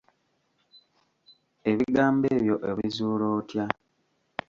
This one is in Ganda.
Ebigambo ebyo obizula otya?